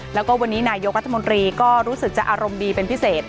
แล้วก็วันนี้นายกรัฐมนตรีก็รู้สึกจะอารมณ์ดีเป็นพิเศษ